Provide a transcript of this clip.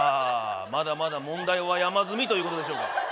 まだまだ問題は山積みということでしょうか